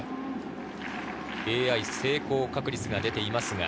ＡＩ成功確率が出ています。